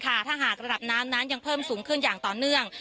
ถ้าหากระดับน้ำนั้นยังเพิ่มสูงขึ้นอย่างต่อเนื่อง